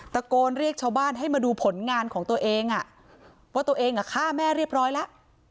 ตะโกนเรียกชาวบ้านให้มาดูผลงานของตัวเองว่าตัวเองฆ่าแม่เรียบร้อยแล้ว